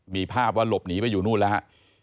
มีภาพว่าหลบหนีไปอยู่นู่นแล้วฮะ